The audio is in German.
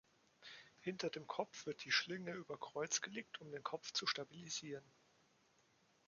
Hinter dem Kopf wird die Schlinge über Kreuz gelegt, um den Kopf zu stabilisieren.